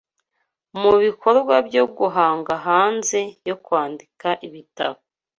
mubikorwa byo guhanga hanze yo kwandika ibitabo